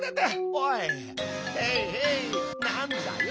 おいへいへいなんだよ！